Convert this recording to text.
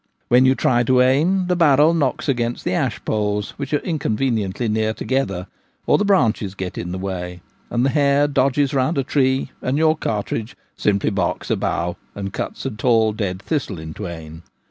When you try to aim the barrel knocks against the ashpoles, which are inconveniently near together, or the branches get in the way, and the hare dodges round a tree, and your t $2 T/ie Gamekeeper at Home. cartridge simply barks a bough and cuts a tall dead thistle in twain.